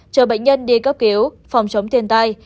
chờ bệnh nhân đi cấp kéo phòng chống thiền tai